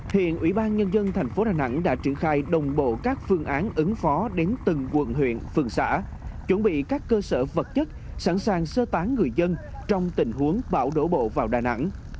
hiện ủy ban nhân dân thành phố đà nẵng đã triển khai đồng bộ các phương án ứng phó đến từng quận huyện phường xã chuẩn bị các cơ sở vật chất sẵn sàng sơ tán người dân trong tình huống bão đổ bộ vào đà nẵng